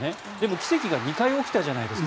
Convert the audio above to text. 奇跡が２回起きたじゃないですか。